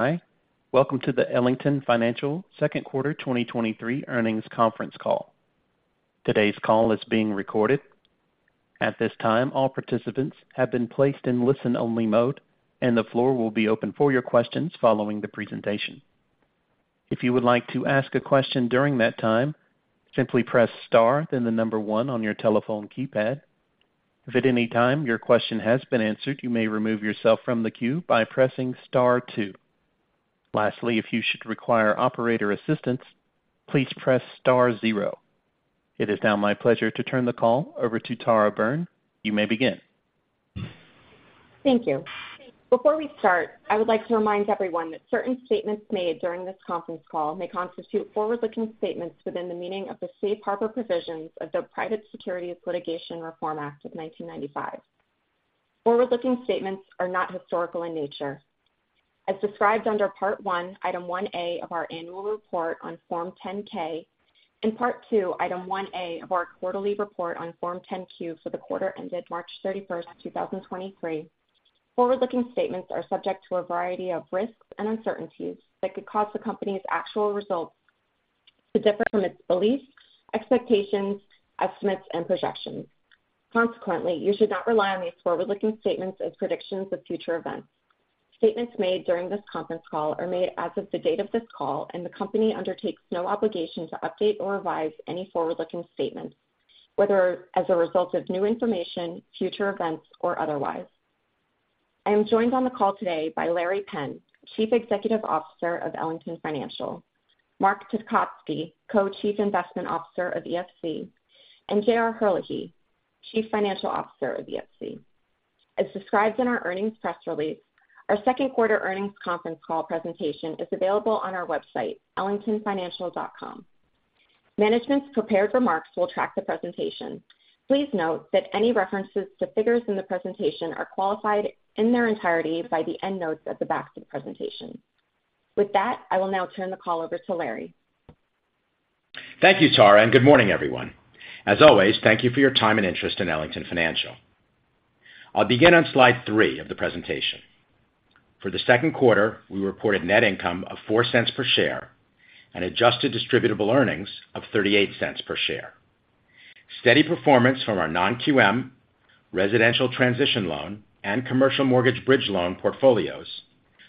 Hi, welcome to the Ellington Financial second quarter 2023 earnings conference call. Today's call is being recorded. At this time, all participants have been placed in listen-only mode, and the floor will be open for your questions following the presentation. If you would like to ask a question during that time, simply press Star, then the number 1 on your telephone keypad. If at any time your question has been answered, you may remove yourself from the queue by pressing Star 2. Lastly, if you should require operator assistance, please press Star 0. It is now my pleasure to turn the call over to Tara Byrne. You may begin. Thank you. Before we start, I would like to remind everyone that certain statements made during this conference call may constitute forward-looking statements within the meaning of the Safe Harbor Provisions of the Private Securities Litigation Reform Act of 1995. Forward-looking statements are not historical in nature. As described under Part 1, Item 1A of our annual report on Form 10-K and Part 2, Item 1A of our quarterly report on Form 10-Q for the quarter ended March 31, 2023. Forward-looking statements are subject to a variety of risks and uncertainties that could cause the company's actual results to differ from its beliefs, expectations, estimates, and projections. Consequently, you should not rely on these forward-looking statements as predictions of future events. Statements made during this conference call are made as of the date of this call, and the company undertakes no obligation to update or revise any forward-looking statements, whether as a result of new information, future events, or otherwise. I am joined on the call today by Larry Penn, Chief Executive Officer of Ellington Financial, Mark Tokosi, Co-Chief Investment Officer of EFC, and J.R. Herlihy, Chief Financial Officer of EFC. As described in our earnings press release, our second quarter earnings conference call presentation is available on our website, ellingtonfinancial.com. Management's prepared remarks will track the presentation. Please note that any references to figures in the presentation are qualified in their entirety by the endnotes at the back of the presentation. With that, I will now turn the call over to Larry. Thank you, Tara. Good morning, everyone. As always, thank you for your time and interest in Ellington Financial. I'll begin on slide 3 of the presentation. For the second quarter, we reported net income of $0.04 per share and Adjusted Distributable Earnings of $0.38 per share. Steady performance from our non-QM residential transition loan and commercial mortgage bridge loan portfolios,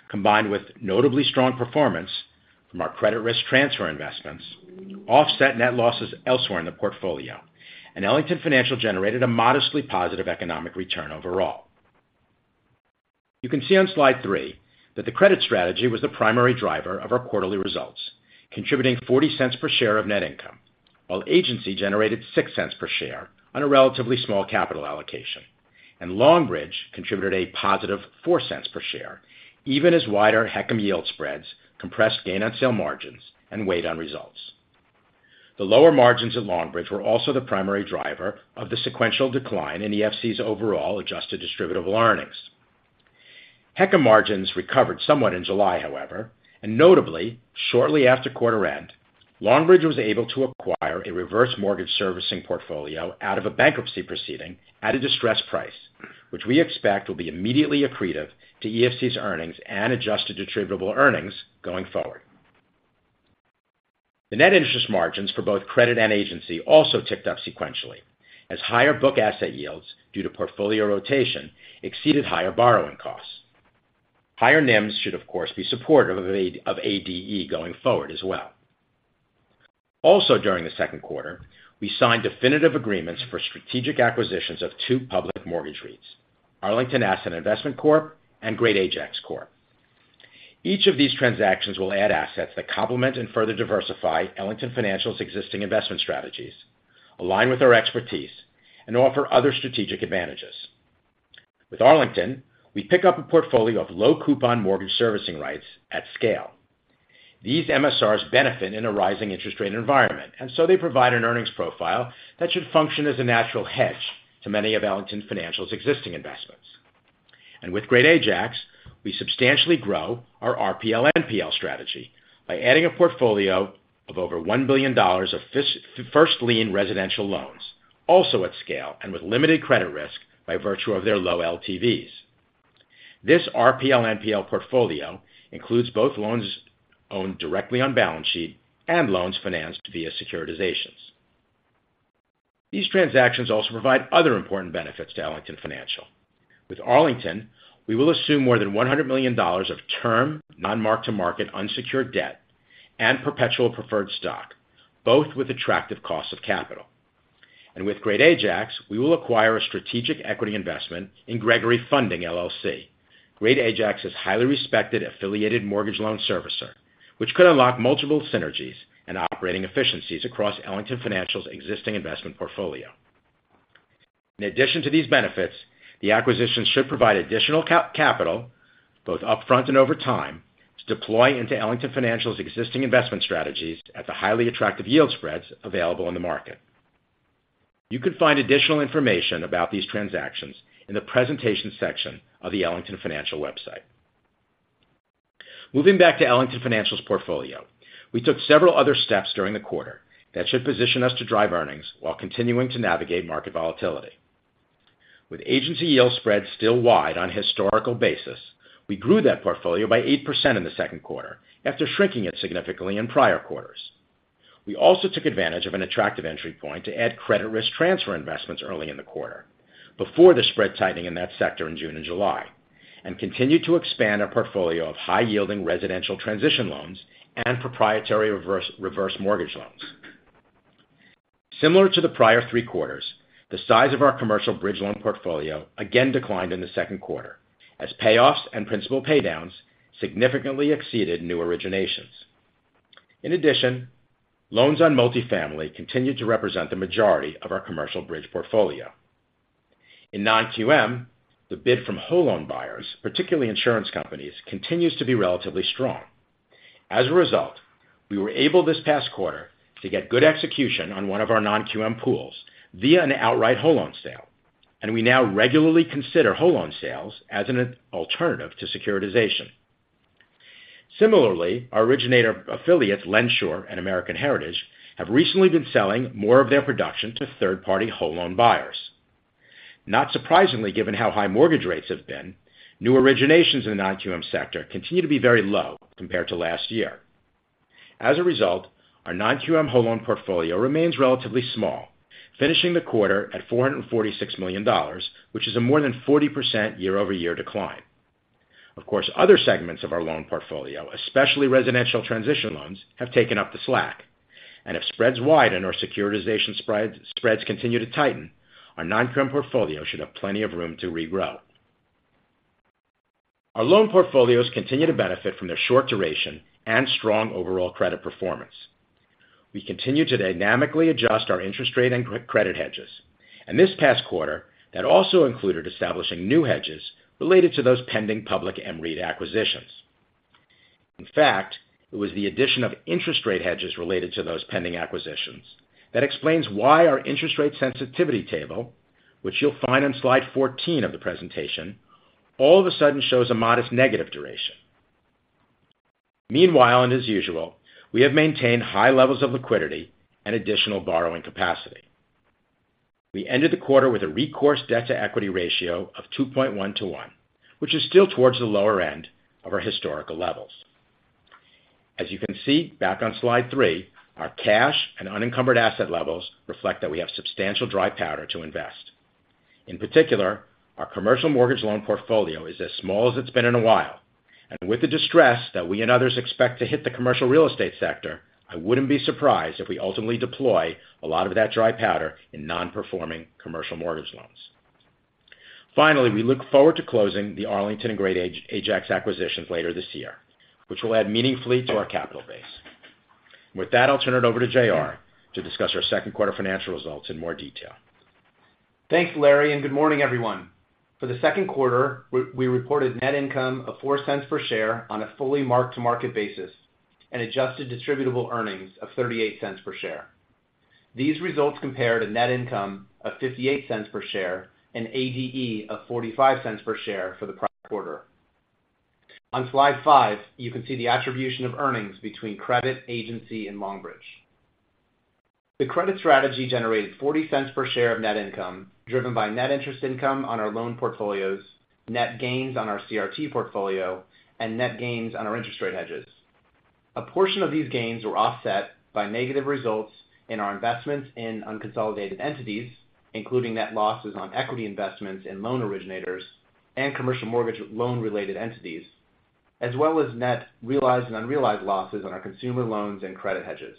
combined with notably strong performance from our credit risk transfer investments, offset net losses elsewhere in the portfolio, and Ellington Financial generated a modestly positive economic return overall. You can see on slide 3 that the credit strategy was the primary driver of our quarterly results, contributing $0.40 per share of net income, while agency generated $0.06 per share on a relatively small capital allocation. Longbridge contributed a positive $0.04 per share, even as wider HECM yield spreads compressed gain on sale margins and weighed on results. The lower margins at Longbridge were also the primary driver of the sequential decline in EFC's overall Adjusted Distributable Earnings. HECM margins recovered somewhat in July, however, and notably, shortly after quarter end, Longbridge was able to acquire a reverse mortgage servicing portfolio out of a bankruptcy proceeding at a distressed price, which we expect will be immediately accretive to EFC's earnings and adjusted attributable earnings going forward. The Net interest margins for both credit and Agency also ticked up sequentially, as higher book asset yields due to portfolio rotation exceeded higher borrowing costs. Higher NIMs should, of course, be supportive of ADE going forward as well. Also, during the second quarter, we signed definitive agreements for strategic acquisitions of two public mortgage REITs, Arlington Asset Investment Corp. and Great Ajax Corp. Each of these transactions will add assets that complement and further diversify Ellington Financial's existing investment strategies, align with our expertise, and offer other strategic advantages. With Arlington, we pick up a portfolio of low coupon mortgage servicing rights at scale. These MSRs benefit in a rising interest rate environment, and so they provide an earnings profile that should function as a natural hedge to many of Ellington Financial's existing investments. With Great Ajax, we substantially grow our RPL NPL strategy by adding a portfolio of over $1 billion of first lien residential loans, also at scale and with limited credit risk by virtue of their low LTVs. This RPL NPL portfolio includes both loans owned directly on balance sheet and loans financed via securitizations. These transactions also provide other important benefits to Ellington Financial. With Arlington, we will assume more than $100 million of term, non-mark-to-market, unsecured debt and perpetual preferred stock, both with attractive cost of capital. With Great Ajax, we will acquire a strategic equity investment in Gregory Funding LLC. Great Ajax is a highly respected affiliated mortgage loan servicer, which could unlock multiple synergies and operating efficiencies across Ellington Financial's existing investment portfolio. In addition to these benefits, the acquisition should provide additional capital, both upfront and over time, to deploy into Ellington Financial's existing investment strategies at the highly attractive yield spreads available in the market. You can find additional information about these transactions in the presentation section of the Ellington Financial website. Moving back to Ellington Financial's portfolio, we took several other steps during the quarter that should position us to drive earnings while continuing to navigate market volatility. With agency yield spreads still wide on a historical basis, we grew that portfolio by 8% in the second quarter, after shrinking it significantly in prior quarters. We also took advantage of an attractive entry point to add credit risk transfer investments early in the quarter, before the spread tightening in that sector in June and July, and continued to expand our portfolio of high-yielding residential transition loans and proprietary reverse, reverse mortgage loans. Similar to the prior three quarters, the size of our commercial bridge loan portfolio again declined in the second quarter, as payoffs and principal paydowns significantly exceeded new originations. In addition, loans on multifamily continued to represent the majority of our commercial bridge portfolio. In non-QM, the bid from whole loan buyers, particularly insurance companies, continues to be relatively strong. As a result, we were able this past quarter to get good execution on one of our non-QM pools via an outright whole loan sale, and we now regularly consider whole loan sales as an alternative to securitization. Similarly, our originator affiliates, LendSure and American Heritage, have recently been selling more of their production to third-party whole loan buyers. Not surprisingly, given how high mortgage rates have been, new originations in the non-QM sector continue to be very low compared to last year. As a result, our non-QM whole loan portfolio remains relatively small, finishing the quarter at $446 million, which is a more than 40% year-over-year decline. Of course, other segments of our loan portfolio, especially residential transition loans, have taken up the slack, and if spreads widen or securitization spreads, spreads continue to tighten, our non-QM portfolio should have plenty of room to regrow. Our loan portfolios continue to benefit from their short duration and strong overall credit performance. We continue to dynamically adjust our interest rate and credit hedges, and this past quarter, that also included establishing new hedges related to those pending public mREIT acquisitions. In fact, it was the addition of interest rate hedges related to those pending acquisitions that explains why our interest rate sensitivity table, which you'll find on slide 14 of the presentation, all of a sudden shows a modest negative duration. Meanwhile, and as usual, we have maintained high levels of liquidity and additional borrowing capacity. We ended the quarter with a recourse debt-to-equity ratio of 2.1 to 1, which is still towards the lower end of our historical levels. As you can see back on slide 3, our cash and unencumbered asset levels reflect that we have substantial dry powder to invest. In particular, our commercial mortgage loan portfolio is as small as it's been in a while, and with the distress that we and others expect to hit the commercial real estate sector, I wouldn't be surprised if we ultimately deploy a lot of that dry powder in non-performing commercial mortgage loans. Finally, we look forward to closing the Arlington and Great Ajax acquisitions later this year, which will add meaningfully to our capital base. With that, I'll turn it over to J.R. to discuss our second quarter financial results in more detail. Thanks, Larry. Good morning, everyone. For the second quarter, we reported net income of $0.04 per share on a fully mark-to-market basis and Adjusted Distributable Earnings of $0.38 per share. These results compare to net income of $0.58 per share and ADE of $0.45 per share for the quarter. On slide 5, you can see the attribution of earnings between credit, agency, and Longbridge. The credit strategy generated $0.40 per share of net income, driven by net interest income on our loan portfolios, net gains on our CRT portfolio, and net gains on our interest rate hedges. A portion of these gains were offset by negative results in our investments in unconsolidated entities, including net losses on equity investments in loan originators and commercial mortgage loan-related entities, as well as net realized and unrealized losses on our consumer loans and credit hedges.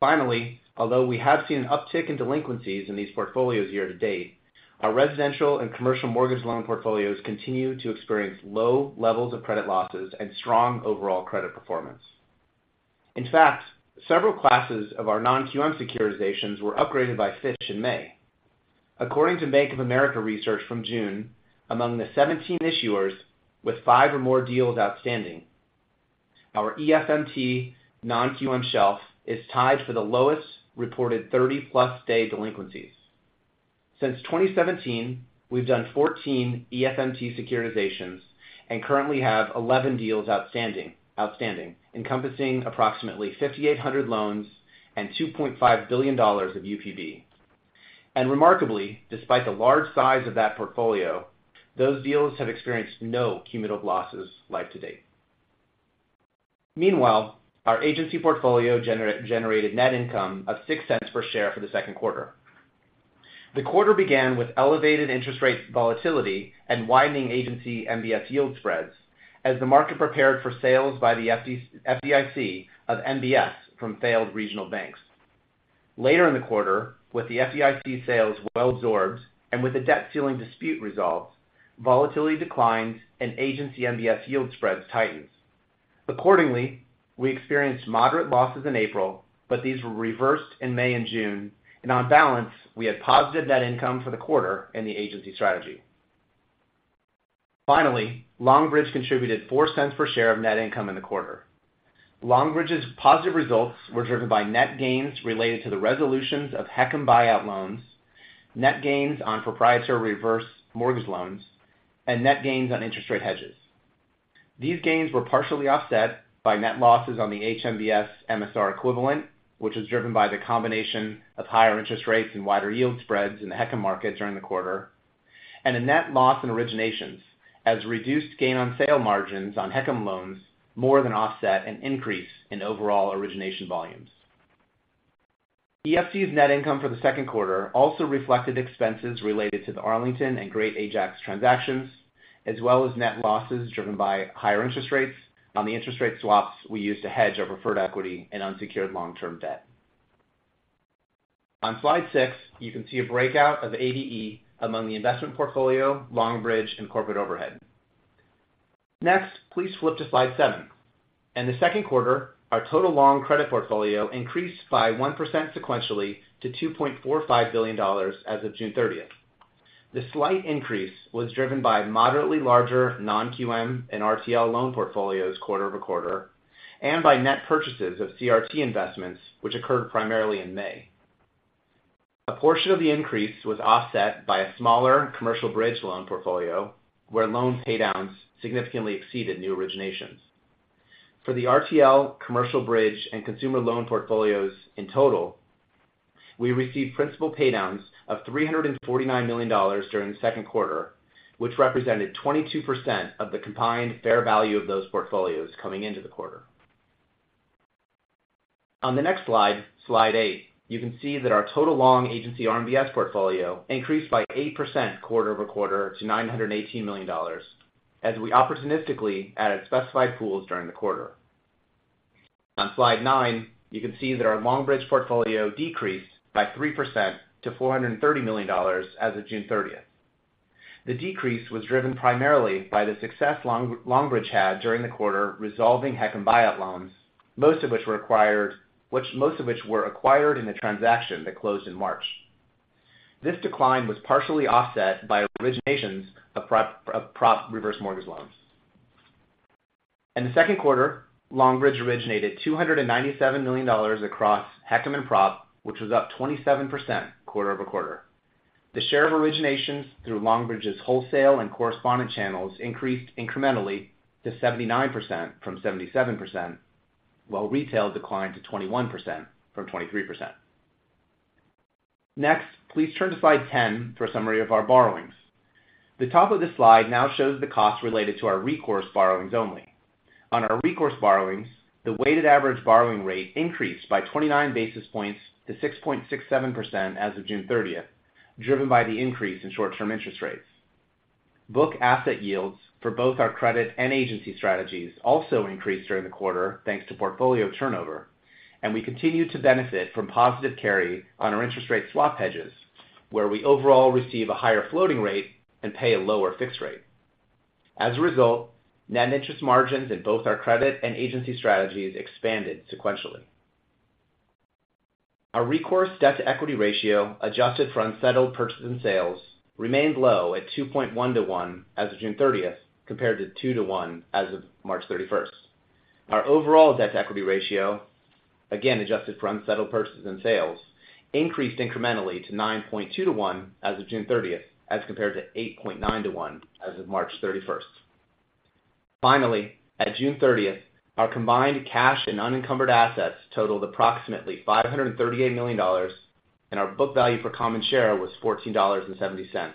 Finally, although we have seen an uptick in delinquencies in these portfolios year to date, our residential and commercial mortgage loan portfolios continue to experience low levels of credit losses and strong overall credit performance. In fact, several classes of our non-QM securitizations were upgraded by Fitch in May. According to Bank of America research from June, among the 17 issuers with five or more deals outstanding, our EFMT non-QM shelf is tied for the lowest reported 30-plus day delinquencies. Since 2017, we've done 14 EFMT securitizations and currently have 11 deals outstanding, encompassing approximately 5,800 loans and $2.5 billion of UPB. Remarkably, despite the large size of that portfolio, those deals have experienced no cumulative losses year-to-date. Meanwhile, our agency portfolio generated net income of $0.06 per share for the second quarter. The quarter began with elevated interest rate volatility and widening Agency MBS yield spreads as the market prepared for sales by the FDIC of MBS from failed regional banks. Later in the quarter, with the FDIC sales well absorbed and with the debt ceiling dispute resolved, volatility declined and Agency MBS yield spreads tightened. Accordingly, we experienced moderate losses in April, but these were reversed in May and June, and on balance, we had positive net income for the quarter in the agency strategy. Finally, Longbridge contributed $0.04 per share of net income in the quarter. Longbridge's positive results were driven by net gains related to the resolutions of HECM buyout loans, net gains on proprietary reverse mortgage loans, and net gains on interest rate hedges. These gains were partially offset by net losses on the HMBS MSR equivalent, which was driven by the combination of higher interest rates and wider yield spreads in the HECM market during the quarter, and a net loss in originations as reduced gain on sale margins on HECM loans more than offset an increase in overall origination volumes. EFC's net income for the second quarter also reflected expenses related to the Arlington and Great Ajax transactions, as well as net losses driven by higher interest rates on the interest rate swaps we used to hedge our preferred equity and unsecured long-term debt. On slide 6, you can see a breakout of ADE among the investment portfolio, Longbridge, and corporate overhead. Next, please flip to slide 7. In the second quarter, our total long credit portfolio increased by 1% sequentially to $2.45 billion as of June 30th. The slight increase was driven by moderately larger non-QM and RTL loan portfolios quarter-over-quarter, and by net purchases of CRT investments, which occurred primarily in May. A portion of the increase was offset by a smaller commercial bridge loan portfolio, where loan paydowns significantly exceeded new originations. For the RTL, commercial bridge, and consumer loan portfolios in total, we received principal paydowns of $349 million during the second quarter, which represented 22% of the combined fair value of those portfolios coming into the quarter. On the next slide, slide 8, you can see that our total long agency RMBS portfolio increased by 8% quarter-over-quarter to $918 million, as we opportunistically added specified pools during the quarter. On slide 9, you can see that our Longbridge portfolio decreased by 3% to $430 million as of June 30th. The decrease was driven primarily by the success Longbridge had during the quarter, resolving HECM buyout loans, most of which were acquired in the transaction that closed in March. This decline was partially offset by originations of proprietary reverse mortgage loans. In the second quarter, Longbridge originated $297 million across HECM and proprietary, which was up 27% quarter-over-quarter. The share of originations through Longbridge's wholesale and correspondent channels increased incrementally to 79% from 77%, while retail declined to 21% from 23%. Please turn to slide 10 for a summary of our borrowings. The top of this slide now shows the costs related to our recourse borrowings only. On our recourse borrowings, the weighted average borrowing rate increased by 29 basis points to 6.67% as of June 30th, driven by the increase in short-term interest rates. Book asset yields for both our credit and agency strategies also increased during the quarter, thanks to portfolio turnover, and we continue to benefit from positive carry on our interest rate swap hedges, where we overall receive a higher floating rate and pay a lower fixed rate. Net interest margins in both our credit and agency strategies expanded sequentially. Our recourse debt-to-equity ratio, adjusted for unsettled purchases and sales, remained low at 2.1 to 1 as of June thirtieth, compared to 2 to 1 as of March thirty-first. Our overall debt-to-equity ratio, again, adjusted for unsettled purchases and sales, increased incrementally to 9.2 to 1 as of June thirtieth, as compared to 8.9 to 1 as of March thirty-first. Finally, at June thirtieth, our combined cash and unencumbered assets totaled approximately $538 million, and our book value per common share was $14.70,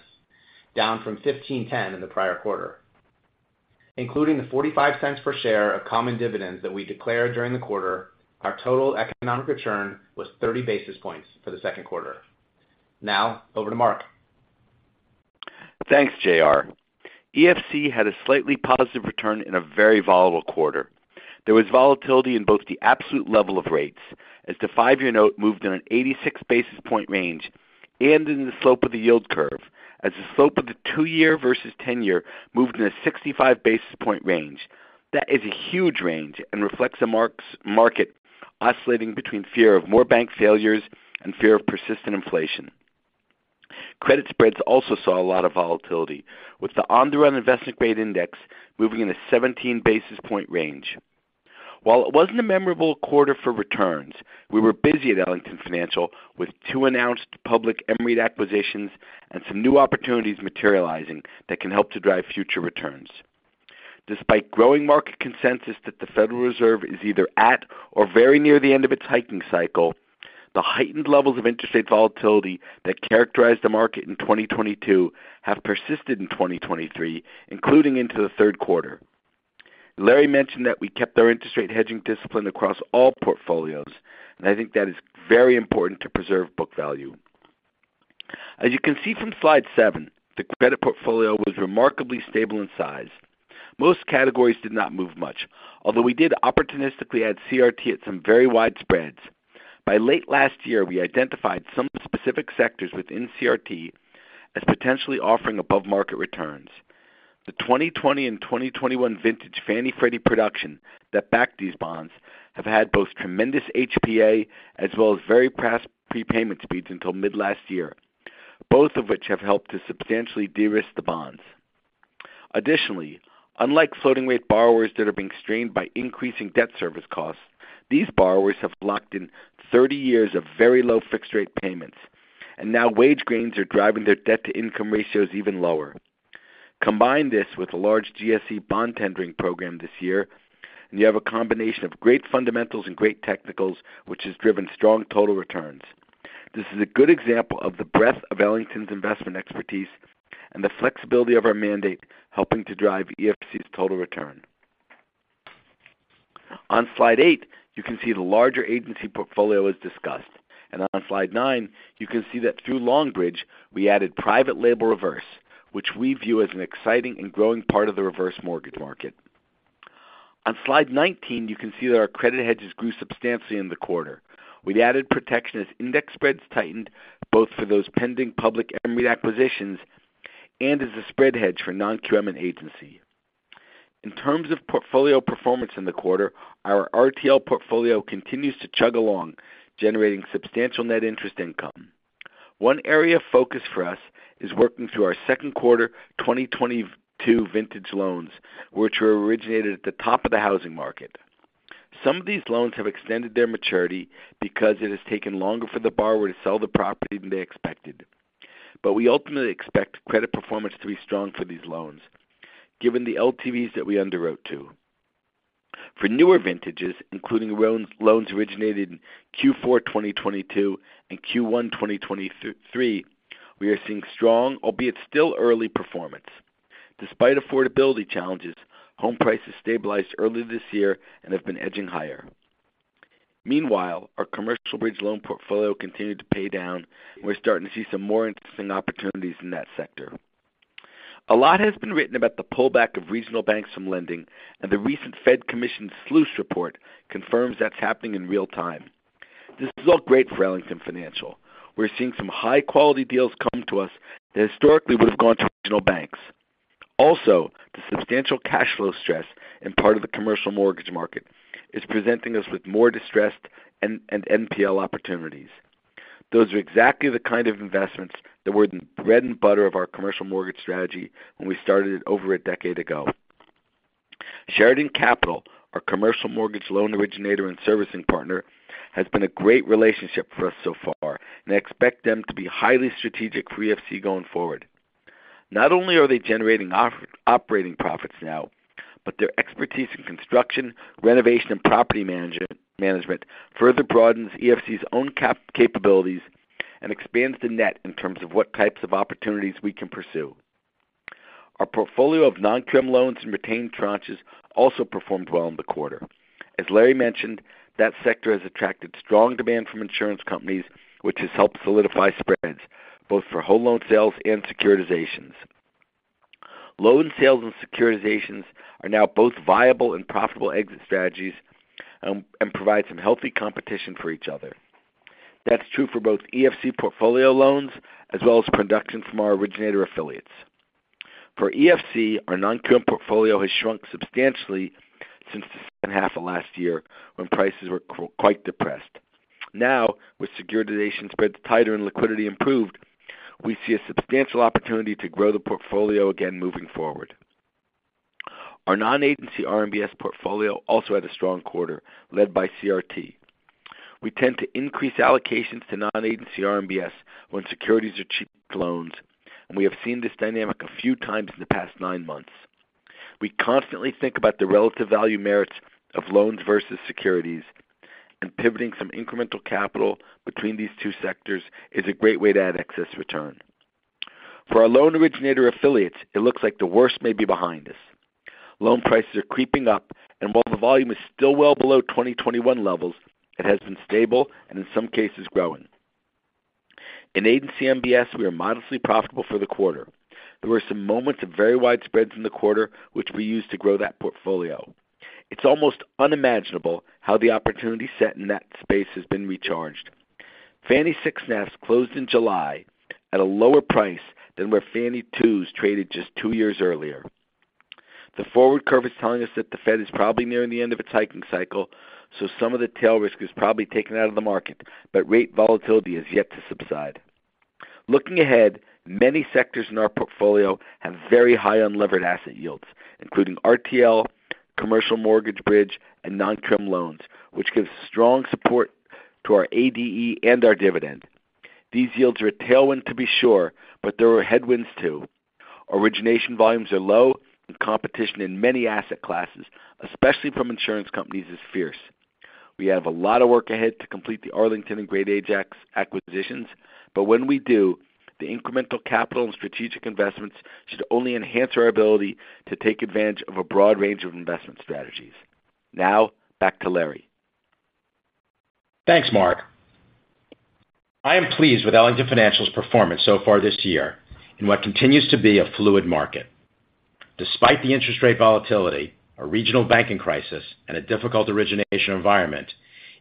down from $15.10 in the prior quarter. Including the $0.45 per share of common dividends that we declared during the quarter, our total economic return was 30 basis points for the second quarter. Now, over to Mark. Thanks, J.R. EFC had a slightly positive return in a very volatile quarter. There was volatility in both the absolute level of rates, as the 5-year note moved in an 86 basis point range, and in the slope of the yield curve, as the slope of the 2-year versus 10-year moved in a 65 basis point range. That is a huge range and reflects a market oscillating between fear of more bank failures and fear of persistent inflation. Credit spreads also saw a lot of volatility, with the On-the-Run Investment Grade Index moving in a 17 basis point range. While it wasn't a memorable quarter for returns, we were busy at Ellington Financial with 2 announced public mREIT acquisitions and some new opportunities materializing that can help to drive future returns. Despite growing market consensus that the Federal Reserve is either at or very near the end of its hiking cycle, the heightened levels of interest rate volatility that characterized the market in 2022 have persisted in 2023, including into the 3rd quarter. Larry mentioned that we kept our interest rate hedging discipline across all portfolios. I think that is very important to preserve book value. As you can see from slide 7, the credit portfolio was remarkably stable in size. Most categories did not move much, although we did opportunistically add CRT at some very wide spreads. By late last year, we identified some specific sectors within CRT as potentially offering above-market returns. The 2020 and 2021 vintage Fannie Freddie production that backed these bonds have had both tremendous HPA as well as very fast prepayment speeds until mid-last year, both of which have helped to substantially de-risk the bonds. Additionally, unlike floating rate borrowers that are being strained by increasing debt service costs, these borrowers have locked in 30 years of very low fixed rate payments... Now wage gains are driving their debt-to-income ratios even lower. Combine this with a large GSE bond tendering program this year, and you have a combination of great fundamentals and great technicals, which has driven strong total returns. This is a good example of the breadth of Arlington's investment expertise and the flexibility of our mandate, helping to drive EFC's total return. On slide 8, you can see the larger agency portfolio is discussed, and on slide 9, you can see that through Longbridge, we added private label reverse, which we view as an exciting and growing part of the reverse mortgage market. On slide 19, you can see that our credit hedges grew substantially in the quarter. We added protection as index spreads tightened, both for those pending public mREIT acquisitions and as a spread hedge for non-current agency. In terms of portfolio performance in the quarter, our RTL portfolio continues to chug along, generating substantial net interest income. One area of focus for us is working through our second quarter 2022 vintage loans, which were originated at the top of the housing market. Some of these loans have extended their maturity because it has taken longer for the borrower to sell the property than they expected. We ultimately expect credit performance to be strong for these loans, given the LTVs that we underwrote to. For newer vintages, including loans, loans originated in Q4, 2022 and Q1, 2023, we are seeing strong, albeit still early performance. Despite affordability challenges, home prices stabilized earlier this year and have been edging higher. Meanwhile, our commercial bridge loan portfolio continued to pay down, and we're starting to see some more interesting opportunities in that sector. A lot has been written about the pullback of regional banks from lending, and the recent Fed Commissioned SLOOS report confirms that's happening in real time. This is all great for Ellington Financial. We're seeing some high-quality deals come to us that historically would have gone to regional banks. Also, the substantial cash flow stress in part of the commercial mortgage market is presenting us with more distressed and, and NPL opportunities. Those are exactly the kind of investments that were the bread and butter of our commercial mortgage strategy when we started over a decade ago. Sheridan Capital, our commercial mortgage loan originator and servicing partner, has been a great relationship for us so far, and I expect them to be highly strategic for EFC going forward. Not only are they generating operating profits now, but their expertise in construction, renovation, and property management further broadens EFC's own capabilities and expands the net in terms of what types of opportunities we can pursue. Our portfolio of non-current loans and retained tranches also performed well in the quarter. As Larry mentioned, that sector has attracted strong demand from insurance companies, which has helped solidify spreads, both for whole loan sales and securitizations. Loan sales and securitizations are now both viable and profitable exit strategies and provide some healthy competition for each other. That's true for both EFC portfolio loans as well as production from our originator affiliates. For EFC, our non-current portfolio has shrunk substantially since the second half of last year, when prices were quite depressed. Now, with securitization spreads tighter and liquidity improved, we see a substantial opportunity to grow the portfolio again moving forward. Our non-agency RMBS portfolio also had a strong quarter, led by CRT. We tend to increase allocations to non-agency RMBS when securities are cheaper than loans, and we have seen this dynamic a few times in the past nine months. We constantly think about the relative value merits of loans versus securities, and pivoting some incremental capital between these two sectors is a great way to add excess return. For our loan originator affiliates, it looks like the worst may be behind us. Loan prices are creeping up, while the volume is still well below 2021 levels, it has been stable and in some cases growing. In agency MBS, we are modestly profitable for the quarter. There were some moments of very wide spreads in the quarter, which we used to grow that portfolio. It's almost unimaginable how the opportunity set in that space has been recharged. Fannie 6s closed in July at a lower price than where Fannie 2s traded just 2 years earlier. The forward curve is telling us that the Fed is probably nearing the end of its hiking cycle, some of the tail risk is probably taken out of the market, rate volatility is yet to subside. Looking ahead, many sectors in our portfolio have very high unlevered asset yields, including RTL, commercial mortgage bridge, and non-QM loans, which gives strong support to our ADE and our dividend. These yields are a tailwind, to be sure, but there are headwinds too. Origination volumes are low, and competition in many asset classes, especially from insurance companies, is fierce. We have a lot of work ahead to complete the Arlington and Great Ajax acquisitions, but when we do, the incremental capital and strategic investments should only enhance our ability to take advantage of a broad range of investment strategies. Now, back to Larry. Thanks, Mark. I am pleased with Ellington Financial's performance so far this year in what continues to be a fluid market. Despite the interest rate volatility, a regional banking crisis, and a difficult origination environment,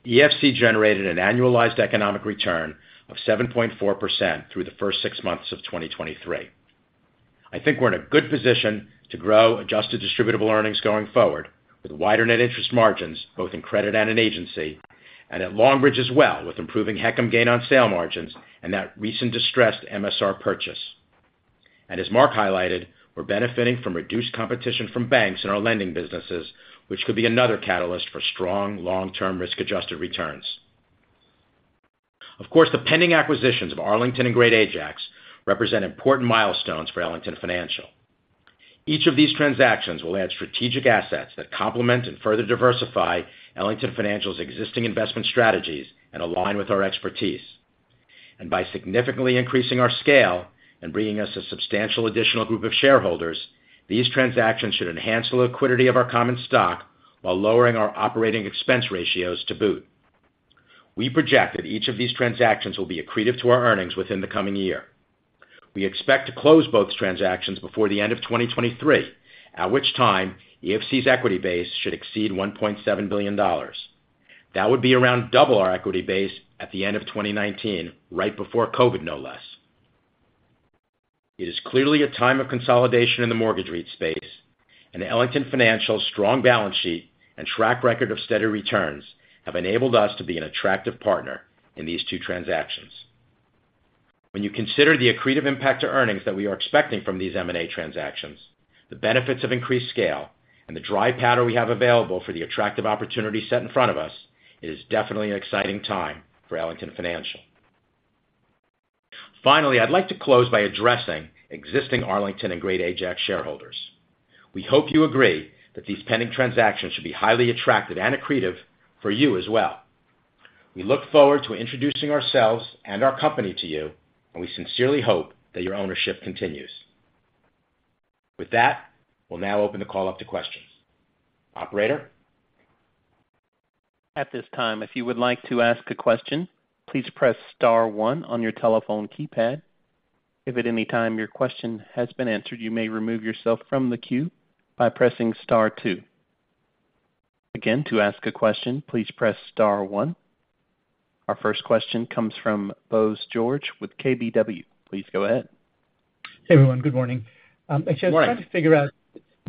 EFC generated an annualized economic return of 7.4% through the first six months of 2023. I think we're in a good position to grow Adjusted Distributable Earnings going forward, with wider Net Interest Margins, both in credit and in agency, and at Longbridge as well, with improving HECM gain on sale margins and that recent distressed MSR purchase. As Mark highlighted, we're benefiting from reduced competition from banks in our lending businesses, which could be another catalyst for strong long-term risk-adjusted returns. Of course, the pending acquisitions of Arlington and Great Ajax represent important milestones for Ellington Financial. Each of these transactions will add strategic assets that complement and further diversify Ellington Financial's existing investment strategies and align with our expertise. By significantly increasing our scale and bringing us a substantial additional group of shareholders, these transactions should enhance the liquidity of our common stock while lowering our operating expense ratios to boot. We project that each of these transactions will be accretive to our earnings within the coming year. We expect to close both transactions before the end of 2023, at which time EFC's equity base should exceed $1.7 billion. That would be around double our equity base at the end of 2019, right before COVID, no less. It is clearly a time of consolidation in the mortgage REIT space, and Ellington Financial's strong balance sheet and track record of steady returns have enabled us to be an attractive partner in these two transactions. When you consider the accretive impact to earnings that we are expecting from these M&A transactions, the benefits of increased scale, and the dry powder we have available for the attractive opportunities set in front of us, it is definitely an exciting time for Ellington Financial. Finally, I'd like to close by addressing existing Arlington and Great Ajax shareholders. We hope you agree that these pending transactions should be highly attractive and accretive for you as well. We look forward to introducing ourselves and our company to you, and we sincerely hope that your ownership continues. With that, we'll now open the call up to questions. Operator? At this time, if you would like to ask a question, please press star one on your telephone keypad. If at any time your question has been answered, you may remove yourself from the queue by pressing star two. Again, to ask a question, please press star one. Our first question comes from Bose George with KBW. Please go ahead. Hey, everyone. Good morning. Good morning. Actually, I was trying to figure out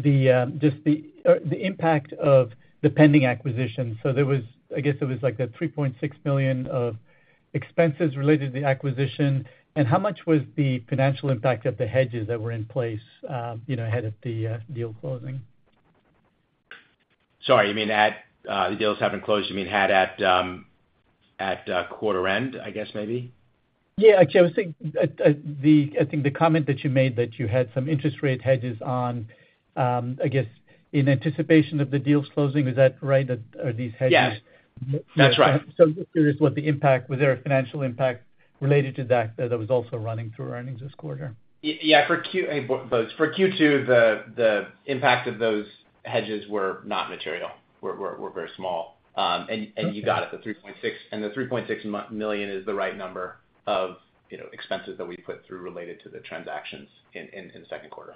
the just the impact of the pending acquisition. There was, I guess, there was, like, a $3.6 billion of expenses related to the acquisition, and how much was the financial impact of the hedges that were in place, you know, ahead of the deal closing? Sorry, you mean at, the deals haven't closed, you mean had at quarter end, I guess, maybe? Yeah, actually, I was thinking, I think the comment that you made that you had some interest rate hedges on, I guess, in anticipation of the deals closing. Is that right, that are these hedges- Yeah, that's right. I'm just curious what the impact-- was there a financial impact related to that, that was also running through our earnings this quarter? Yeah, Hey, Bose. For Q2, the impact of those hedges were not material, were very small. Okay. You got it, and the $3.6 million is the right number of, you know, expenses that we put through related to the transactions in the second quarter.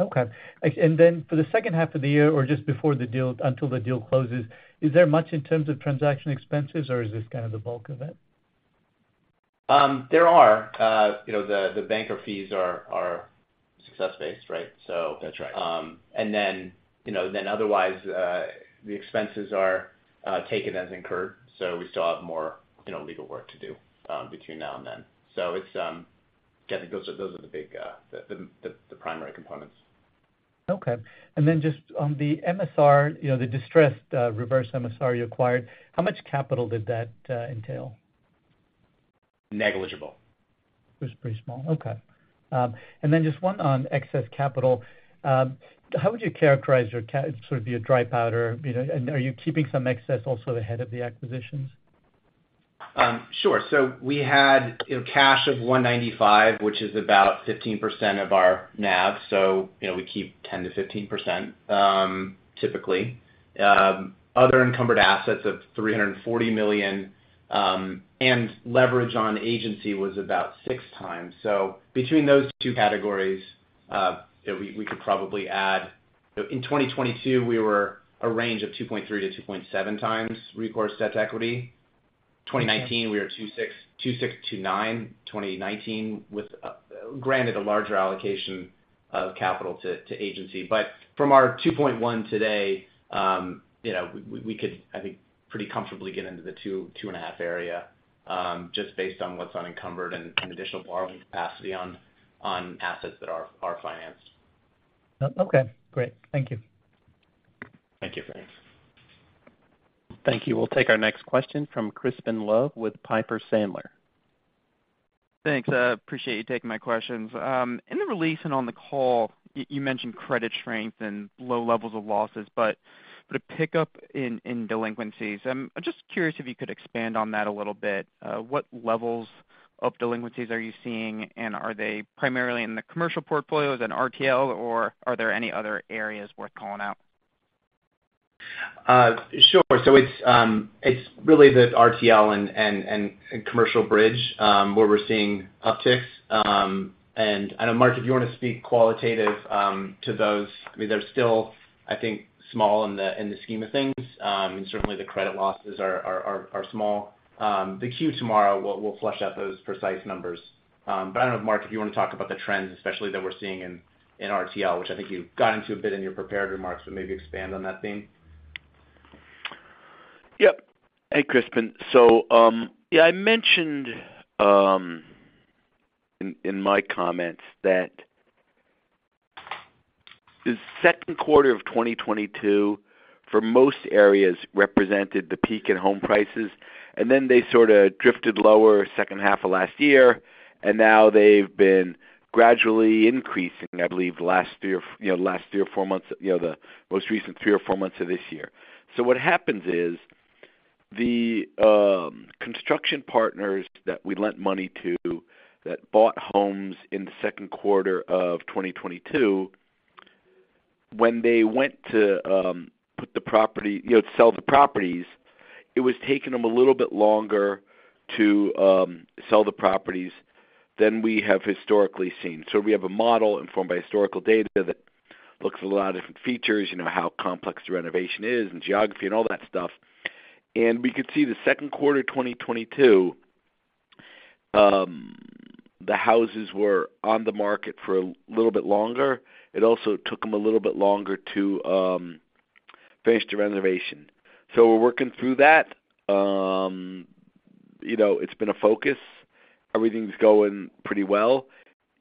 Okay. For the second half of the year or just before the deal, until the deal closes, is there much in terms of transaction expenses, or is this kind of the bulk of it? There are, you know, the, the banker fees are, are success-based, right? That's right. Then, you know, then otherwise, the expenses are, taken as incurred, so we still have more, you know, legal work to do, between now and then. It's, yeah, those are, those are the big, the, the, the primary components. Okay. Then just on the MSR, you know, the distressed, reverse MSR you acquired, how much capital did that entail? Negligible. It was pretty small. Okay. Then just 1 on excess capital. How would you characterize your sort of your dry powder, you know, and are you keeping some excess also ahead of the acquisitions? Sure. We had, you know, cash of $195, which is about 15% of our NAV, so, you know, we keep 10%-15%, typically. Other encumbered assets of $340 million, and leverage on agency was about 6x. Between those two categories, you know, we, we could probably add... In 2022, we were a range of 2.3x-2.7x recourse debt to equity. Okay. 2019, we were 2.6-2.9, 2019, with, granted, a larger allocation of capital to, to agency. From our 2.1 today, you know, we, we, we could, I think, pretty comfortably get into the 2-2.5 area, just based on what's unencumbered and, and additional borrowing capacity on, on assets that are, are financed. Oh, okay. Great. Thank you. Thank you, Bose. Thank you. We'll take our next question from Crispin Love with Piper Sandler. Thanks. I appreciate you taking my questions. In the release and on the call, you mentioned credit strength and low levels of losses, but but a pickup in, in delinquencies. I'm just curious if you could expand on that a little bit. What levels of delinquencies are you seeing, and are they primarily in the commercial portfolios and RTL, or are there any other areas worth calling out? Sure. So it's, it's really the RTL and, and, and, and commercial bridge where we're seeing upticks. I know, Mark, if you want to speak qualitative to those. I mean, they're still, I think, small in the, in the scheme of things, and certainly the credit losses are, are, are, are small. The queue tomorrow, we'll, we'll flesh out those precise numbers. I don't know, Mark, if you want to talk about the trends, especially that we're seeing in, in RTL, which I think you got into a bit in your prepared remarks, but maybe expand on that theme. Yep. Hey, Crispin. Yeah, I mentioned in, in my comments that the second quarter of 2022 for most areas represented the peak in home prices, and then they sort of drifted lower second half of last year, and now they've been gradually increasing, I believe, last 3 or, you know, last 3 or 4 months, you know, the most recent 3 or 4 months of this year. What happens is, the construction partners that we lent money to, that bought homes in the second quarter of 2022, when they went to put the property-- you know, sell the properties, it was taking them a little bit longer to sell the properties than we have historically seen. We have a model informed by historical data that looks at a lot of different features, you know, how complex the renovation is and geography and all that stuff. We could see the second quarter, 2022, the houses were on the market for a little bit longer. It also took them a little bit longer to finish the renovation. We're working through that. You know, it's been a focus. Everything's going pretty well.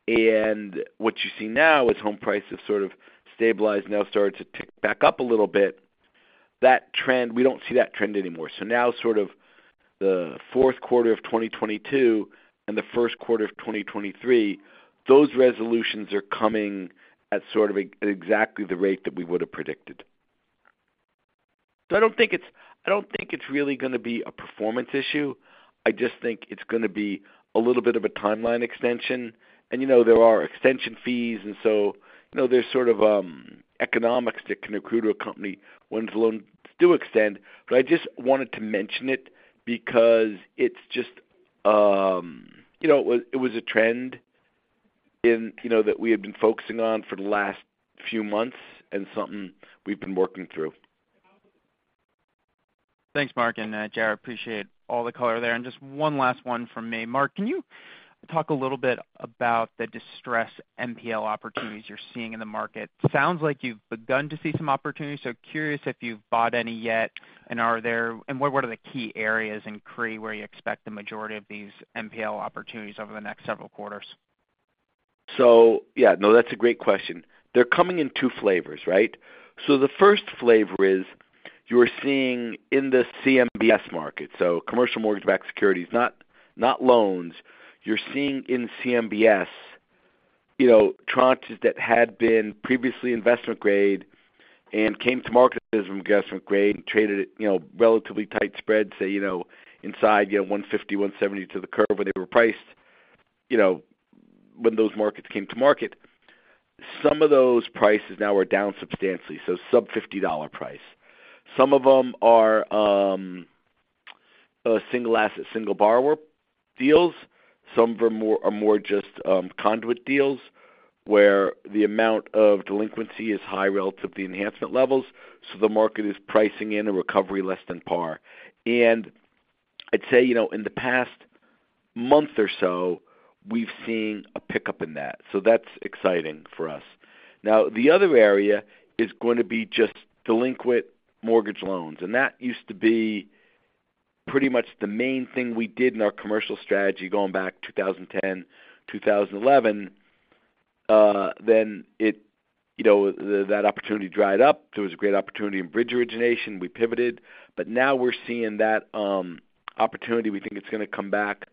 What you see now is home prices sort of stabilized, now starting to tick back up a little bit. That trend-- we don't see that trend anymore. Now, sort of the fourth quarter of 2022 and the first quarter of 2023, those resolutions are coming at sort of exactly the rate that we would have predicted. I don't think it's, I don't think it's really going to be a performance issue. I just think it's going to be a little bit of a timeline extension. You know, there are extension fees, and so, you know, there's sort of, economics that can accrue to a company when the loans do extend. I just wanted to mention it because it's just, you know, it was, it was a trend you know that we have been focusing on for the last few months and something we've been working through. Thanks, Mark and J.R. Appreciate all the color there. Just one last one from me. Mark, can you talk a little bit about the distressed NPL opportunities you're seeing in the market? Sounds like you've begun to see some opportunities, so curious if you've bought any yet, what, what are the key areas in CRE where you expect the majority of these NPL opportunities over the next several quarters? Yeah, no, that's a great question. They're coming in 2 flavors, right? The first flavor is you are seeing in the CMBS market, so commercial mortgage-backed securities, not, not loans. You're seeing in CMBS, you know, tranches that had been previously investment grade and came to market as investment grade and traded at, you know, relatively tight spreads, say, you know, inside, you know, 150, 170 to the curve where they were priced, you know, when those markets came to market. Some of those prices now are down substantially, so sub $50 price. Some of them are single asset, single borrower deals. Some of them are more, are more just conduit deals, where the amount of delinquency is high relative to the enhancement levels, so the market is pricing in a recovery less than par. I'd say, you know, in the past month or so, we've seen a pickup in that, so that's exciting for us. The other area is going to be just delinquent mortgage loans, and that used to be pretty much the main thing we did in our commercial strategy, going back 2010, 2011. Then it, you know, that opportunity dried up. There was a great opportunity in bridge origination. We pivoted, but now we're seeing that opportunity. We think it's going to come back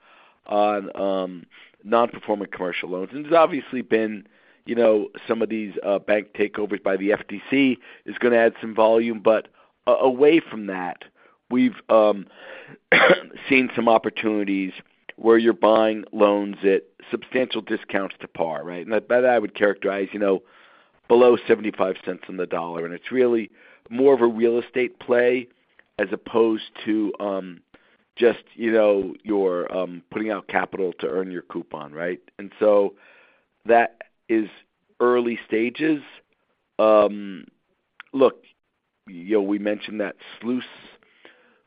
on non-performing commercial loans. There's obviously been, you know, some of these bank takeovers by the FDIC is going to add some volume. Away from that, we've seen some opportunities where you're buying loans at substantial discounts to par, right? By that, I would characterize, you know, below $0.75 on the dollar, and it's really more of a real estate play as opposed to, just, you know, you're, putting out capital to earn your coupon, right? That is early stages. Look, you know, we mentioned that SLOOS,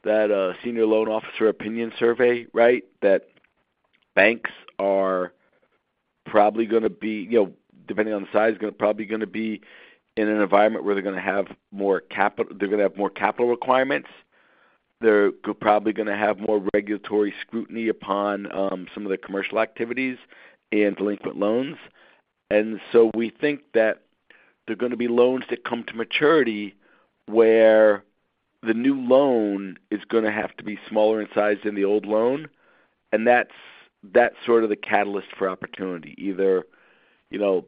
that, Senior Loan Officer Opinion Survey, right? That banks are probably going to be, you know, depending on the size, going to probably going to be in an environment where they're going to have more capital requirements. They're probably going to have more regulatory scrutiny upon, some of their commercial activities and delinquent loans. So we think that there are going to be loans that come to maturity, where the new loan is going to have to be smaller in size than the old loan, and that's, that's sort of the catalyst for opportunity. Either, you know,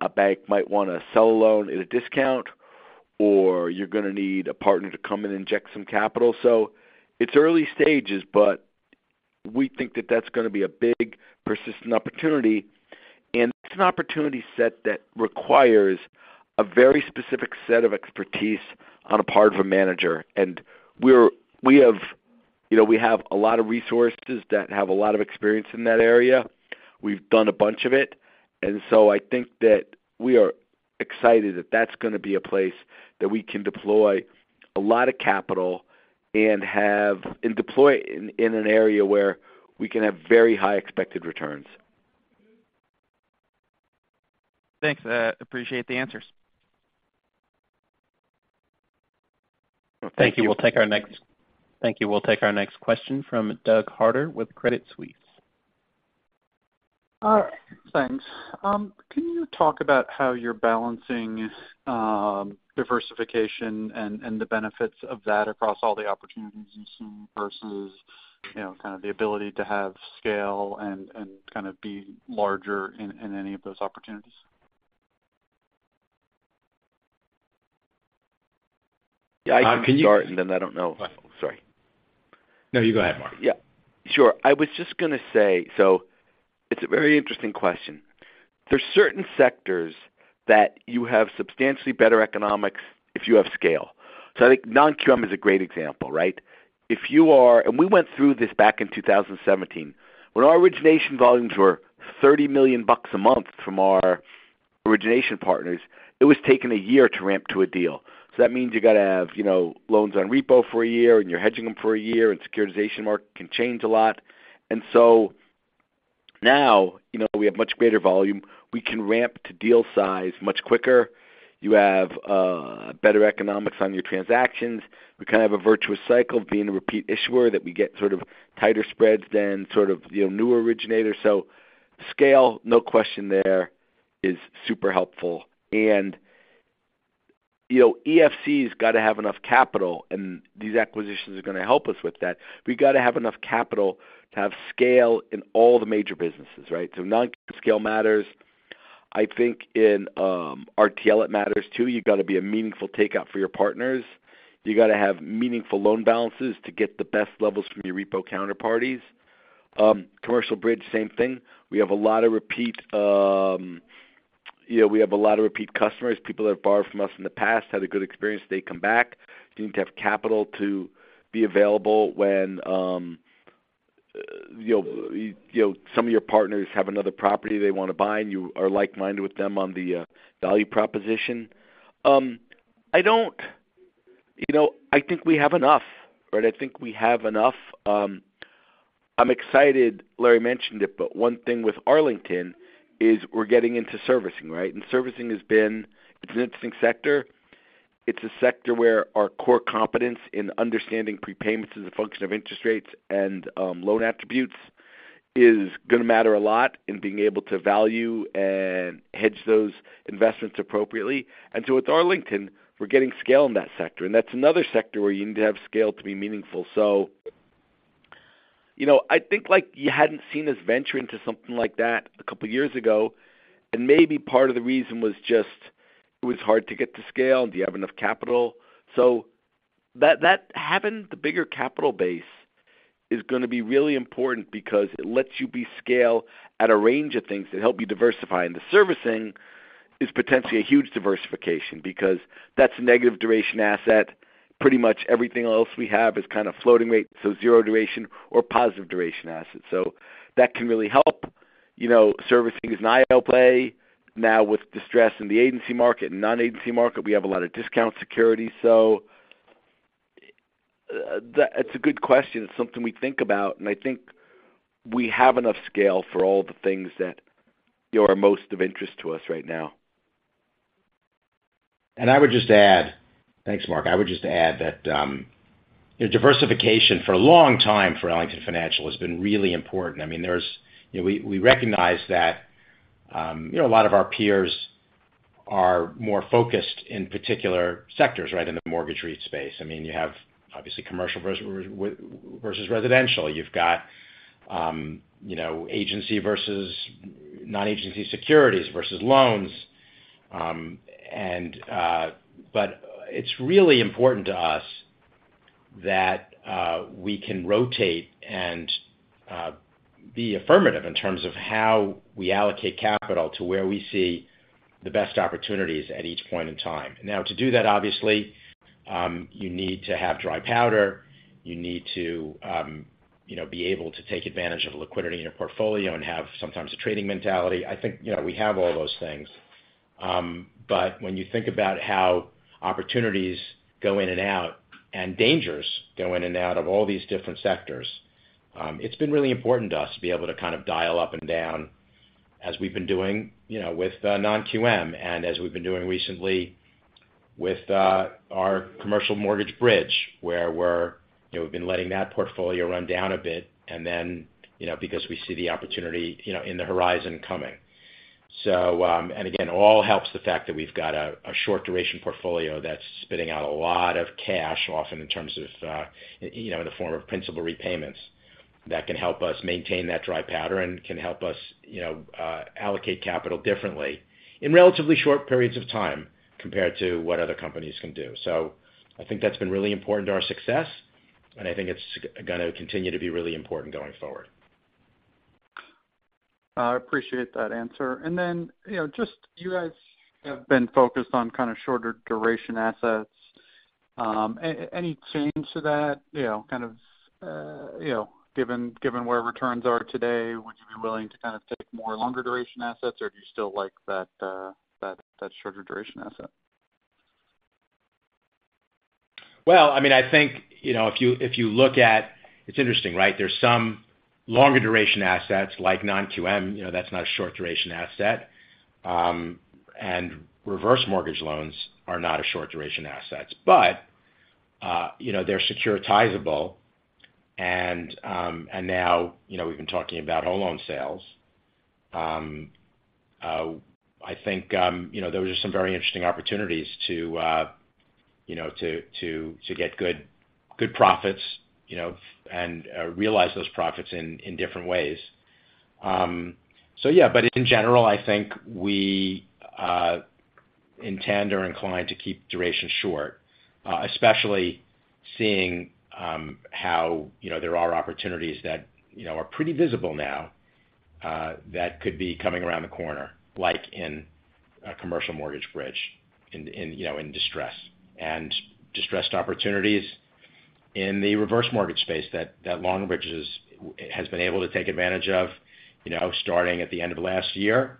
a bank might want to sell a loan at a discount, or you're going to need a partner to come and inject some capital. It's early stages, but we think that that's going to be a big persistent opportunity. It's an opportunity set that requires a very specific set of expertise on the part of a manager. We have, you know, we have a lot of resources that have a lot of experience in that area. We've done a bunch of it, and so I think that we are excited that that's going to be a place that we can deploy a lot of capital and have... and deploy in, in an area where we can have very high expected returns. Thanks. I appreciate the answers. Thank you. We'll take our thank you. We'll take our next question from Doug Harter with Credit Suisse. Thanks. Can you talk about how you're balancing diversification and the benefits of that across all the opportunities you've seen versus, you know, kind of the ability to have scale and kind of be larger in any of those opportunities? Yeah. Can you- I don't know. Sorry. No, you go ahead, Mark. Yeah, sure. It's a very interesting question. There's certain sectors that you have substantially better economics if you have scale. I think non-QM is a great example, right? If you are-- We went through this back in 2017. When our origination volumes were $30 million a month from our origination partners, it was taking a year to ramp to a deal. That means you gotta have, you know, loans on repo for a year, and you're hedging them for a year, and securitization market can change a lot. Now, you know, we have much greater volume. We can ramp to deal size much quicker. You have better economics on your transactions. We kind of have a virtuous cycle of being a repeat issuer, that we get sort of tighter spreads than sort of, you know, newer originators. Scale, no question there, is super helpful. You know, EFC's gotta have enough capital, and these acquisitions are gonna help us with that. We've gotta have enough capital to have scale in all the major businesses, right? Non-QM scale matters. I think in RTL, it matters too. You've gotta be a meaningful takeout for your partners. You gotta have meaningful loan balances to get the best levels from your repo counterparties. Commercial bridge, same thing. We have a lot of repeat, you know, we have a lot of repeat customers. People that have borrowed from us in the past, had a good experience, they come back. You need to have capital to be available when, you know, you know, some of your partners have another property they want to buy, and you are like-minded with them on the value proposition. You know, I think we have enough, right? I think we have enough. I'm excited Larry mentioned it, but one thing with Arlington is we're getting into servicing, right? It's an interesting sector. It's a sector where our core competence in understanding prepayments as a function of interest rates and loan attributes is gonna matter a lot in being able to value and hedge those investments appropriately. So with Arlington, we're getting scale in that sector, and that's another sector where you need to have scale to be meaningful. You know, I think, like, you hadn't seen us venture into something like that a couple of years ago, and maybe part of the reason was just it was hard to get to scale. Do you have enough capital? That, that having the bigger capital base is gonna be really important because it lets you be scale at a range of things that help you diversify. The servicing is potentially a huge diversification because that's a negative duration asset. Pretty much everything else we have is kind of floating rate, so zero duration or positive duration assets. That can really help. You know, servicing is an IO play. Now, with distress in the agency market and non-agency market, we have a lot of discount security. It's a good question. It's something we think about, and I think we have enough scale for all the things that, you know, are most of interest to us right now. I would just add... Thanks, Mark. I would just add that, you know, diversification for a long time for Ellington Financial has been really important. I mean, there's, you know, we, we recognize that, you know, a lot of our peers are more focused in particular sectors, right, in the mortgage REIT space. I mean, you have obviously commercial versus residential. You've got, you know, agency versus non-agency securities versus loans. It's really important to us that we can rotate and be affirmative in terms of how we allocate capital to where we see the best opportunities at each point in time. Now, to do that, obviously, you need to have dry powder. You need to, you know, be able to take advantage of liquidity in your portfolio and have sometimes a trading mentality. I think, you know, we have all those things. When you think about how opportunities go in and out, and dangers go in and out of all these different sectors, it's been really important to us to be able to kind of dial up and down as we've been doing, you know, with non-QM, and as we've been doing recently with our commercial mortgage bridge, where we're, you know, we've been letting that portfolio run down a bit, and then, you know, because we see the opportunity, you know, in the horizon coming. Again, it all helps the fact that we've got a, a short duration portfolio that's spitting out a lot of cash, often in terms of, you know, in the form of principal repayments, that can help us maintain that dry powder and can help us, you know, allocate capital differently in relatively short periods of time compared to what other companies can do. I think that's been really important to our success, and I think it's gonna continue to be really important going forward. I appreciate that answer. You know, just you guys have been focused on kind of shorter duration assets. Any change to that? You know, kind of, you know, given, given where returns are today, would you be willing to kind of take more longer duration assets, or do you still like that, that, that shorter duration asset? Well, I mean, I think, you know, if you, if you look at. It's interesting, right? There's some longer duration assets like non-QM, you know, that's not a short duration asset. And reverse mortgage loans are not a short duration assets. They're securitizable. And now, you know, we've been talking about whole loan sales. I think, you know, there were just some very interesting opportunities to, you know, to, to, to get good, good profits, you know, and realize those profits in, in different ways. Yeah, but in general, I think we intend or inclined to keep duration short, especially seeing how, you know, there are opportunities that, you know, are pretty visible now that could be coming around the corner, like a commercial mortgage bridge, you know, in distress. Distressed opportunities in the reverse mortgage space that Longbridge has been able to take advantage of, you know, starting at the end of last year,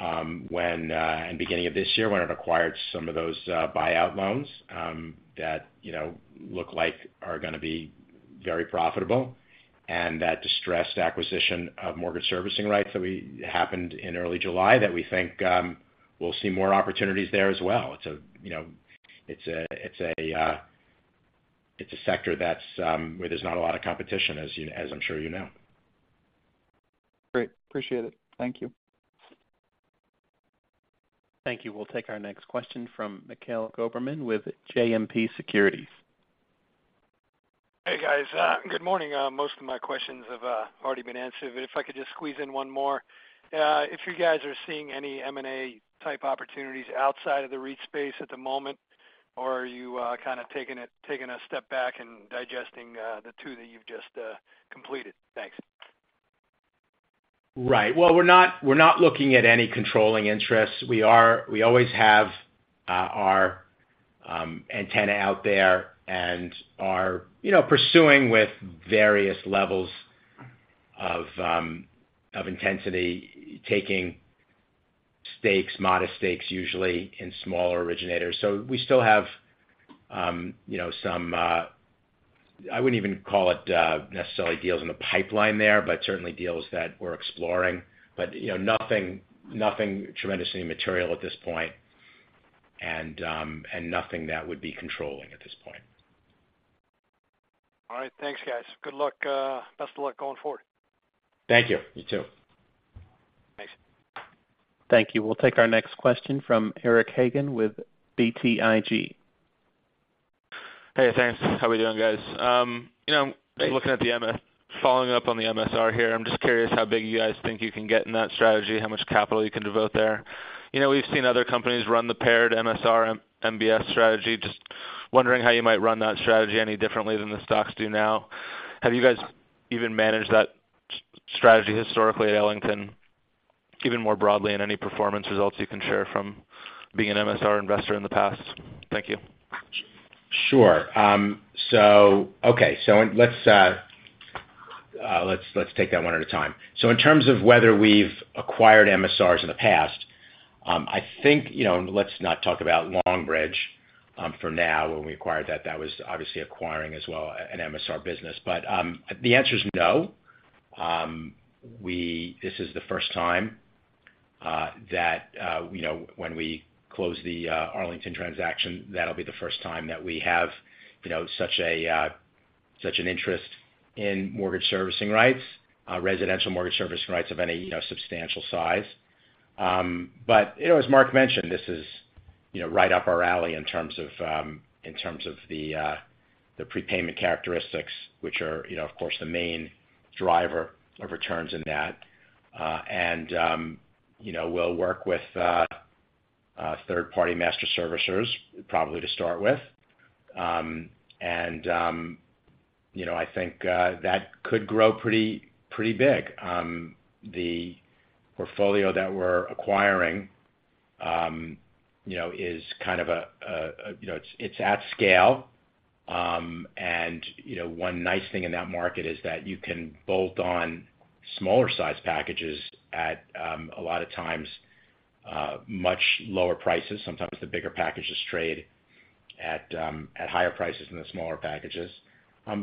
when and beginning of this year, when it acquired some of those buyout loans that, you know, look like are gonna be very profitable. That distressed acquisition of mortgage servicing rights that happened in early July, that we think we'll see more opportunities there as well. It's a, you know, it's a, it's a, it's a sector that's, where there's not a lot of competition, as I'm sure you know. Great. Appreciate it. Thank you. Thank you. We'll take our next question from Michael Goberman with JMP Securities. Hey, guys, good morning. Most of my questions have already been answered, but if I could just squeeze in one more. If you guys are seeing any M&A type opportunities outside of the REIT space at the moment, or are you kind of taking it-- taking a step back and digesting the two that you've just completed? Thanks. Right. Well, we're not, we're not looking at any controlling interests. We always have our antenna out there and are, you know, pursuing with various levels of intensity, taking stakes, modest stakes, usually in smaller originators. We still have, you know, some, I wouldn't even call it necessarily deals in the pipeline there, but certainly deals that we're exploring. You know, nothing, nothing tremendously material at this point, and nothing that would be controlling at this point. All right. Thanks, guys. Good luck, best of luck going forward. Thank you. You, too. Thanks. Thank you. We'll take our next question from Eric Hagen with BTIG. Hey, thanks. How we doing, guys? You know, looking at the following up on the MSR here, I'm just curious how big you guys think you can get in that strategy, how much capital you can devote there. You know, we've seen other companies run the paired MSR, MBS strategy. Just wondering how you might run that strategy any differently than the stocks do now. Have you guys even managed that strategy historically at Arlington? Even more broadly, in any performance results you can share from being an MSR investor in the past? Thank you. Sure. Okay, so let's, let's take that one at a time. In terms of whether we've acquired MSRs in the past, I think, you know, let's not talk about Longbridge for now. When we acquired that, that was obviously acquiring as well, an MSR business. The answer is no. This is the first time that, you know, when we close the Arlington transaction, that'll be the first time that we have, you know, such a, such an interest in mortgage servicing rights, residential mortgage servicing rights of any, you know, substantial size. You know, as Mark mentioned, this is, you know, right up our alley in terms of in terms of the prepayment characteristics, which are, you know, of course, the main driver of returns in that. You know, we'll work with a third-party master servicers, probably to start with. You know, I think that could grow pretty, pretty big. The portfolio that we're acquiring, you know, is kind of a, a, a, you know, it's at scale. You know, one nice thing in that market is that you can bolt on smaller size packages at a lot of times much lower prices. Sometimes the bigger packages trade at higher prices than the smaller packages.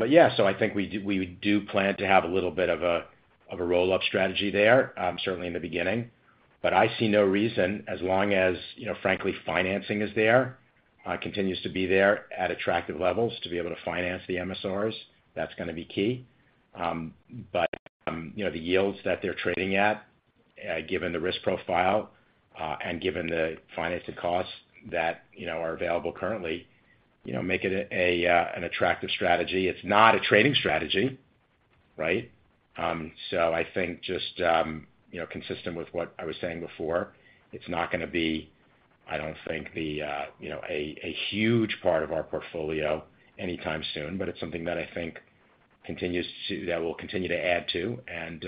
Yeah, I think we do, we do plan to have a little bit of a, of a roll-up strategy there, certainly in the beginning. I see no reason, as long as, you know, frankly, financing is there, continues to be there at attractive levels to be able to finance the MSRs. That's gonna be key. You know, the yields that they're trading at, given the risk profile, and given the financing costs that, you know, are available currently, you know, make it an attractive strategy. It's not a trading strategy, right? I think just, consistent with what I was saying before, it's not gonna be, I don't think the, a, a huge part of our portfolio anytime soon, but it's something that I think continues to-- that we'll continue to add to and,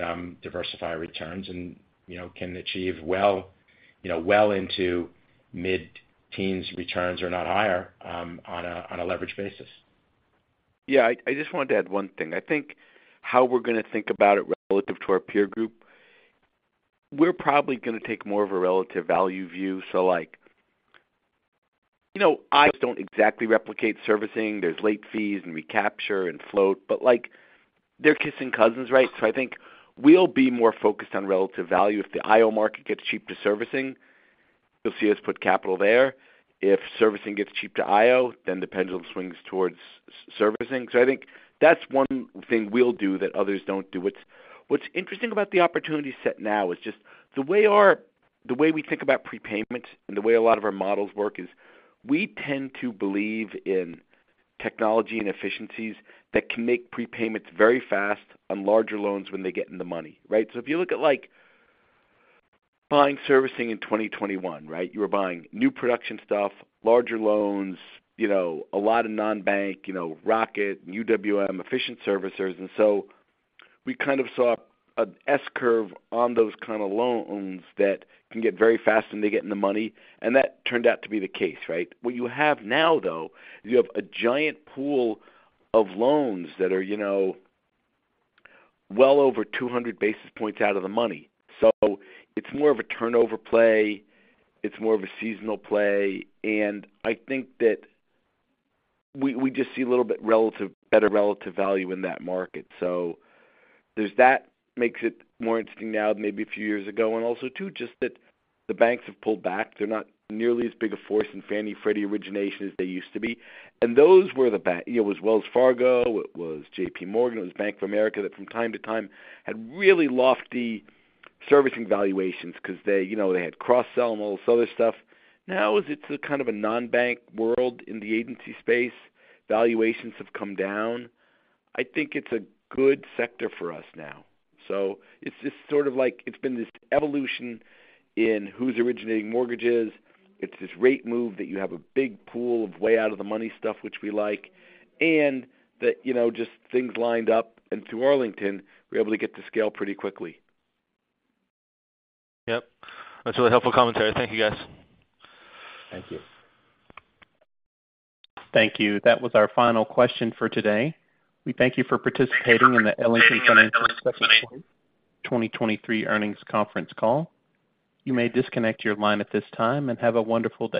diversify returns and, can achieve well, well into mid-teens returns or not higher, on a, on a leverage basis. Yeah, I, I just wanted to add one thing. I think how we're going to think about it relative to our peer group, we're probably going to take more of a relative value view. Like, you know, IOs don't exactly replicate servicing. There's late fees and recapture and float, but, like, they're kissing cousins, right? I think we'll be more focused on relative value. If the IO market gets cheap to servicing, you'll see us put capital there. If servicing gets cheap to IO, then the pendulum swings towards servicing. I think that's one thing we'll do that others don't do. What's, what's interesting about the opportunity set now is just the way the way we think about prepayments and the way a lot of our models work is we tend to believe in technology and efficiencies that can make prepayments very fast on larger loans when they get in the money, right. If you look at, like, buying servicing in 2021, right. You were buying new production stuff, larger loans, you know, a lot of non-bank, you know, Rocket and UWM, efficient servicers. We kind of saw an S curve on those kind of loans that can get very fast, and they get in the money, and that turned out to be the case, right. What you have now, though, is you have a giant pool of loans that are, you know, well over 200 basis points out of the money. It's more of a turnover play, it's more of a seasonal play, and I think that we, we just see a little bit better relative value in that market. There's that makes it more interesting now than maybe a few years ago. Also, too, just that the banks have pulled back. They're not nearly as big a force in Fannie Freddie origination as they used to be. Those were the It was Wells Fargo, it was JP Morgan, it was Bank of America, that from time to time had really lofty servicing valuations because they, you know, they had cross-sell and all this other stuff. Now, as it's a kind of a non-bank world in the agency space, valuations have come down. I think it's a good sector for us now. it's just sort of like it's been this evolution in who's originating mortgages. It's this rate move that you have a big pool of way out of the money stuff, which we like, and that, you know, just things lined up, and through Arlington, we're able to get to scale pretty quickly. Yep. That's really helpful commentary. Thank you, guys. Thank you. Thank you. That was our final question for today. We thank you for participating in the Ellington Financial Corporation 2023 Earnings Conference Call. You may disconnect your line at this time and have a wonderful day.